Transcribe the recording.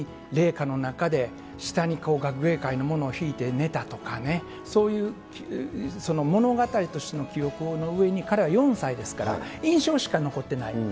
あの晩に零下の中で、下に学芸会の物を敷いて寝たとかね、そういう物語としての記憶の上に、彼らは４歳ですから印象しか残ってない。